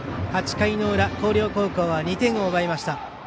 ８回の裏、広陵高校は２点を奪いました。